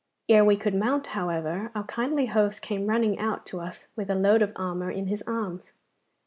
Ere we could mount, however, our kindly host came running out to us with a load of armour in his arms.